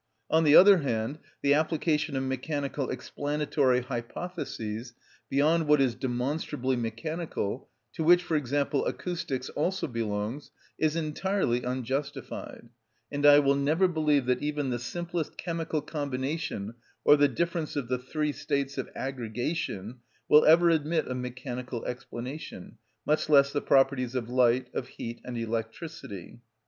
On the other hand, the application of mechanical explanatory hypotheses, beyond what is demonstrably mechanical, to which, for example, Acoustics also belongs, is entirely unjustified, and I will never believe that even the simplest chemical combination or the difference of the three states of aggregation will ever admit of mechanical explanation, much less the properties of light, of heat, and electricity.